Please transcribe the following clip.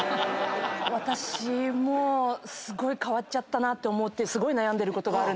私もすごい変わっちゃったなって思って悩んでることがあるんですけど。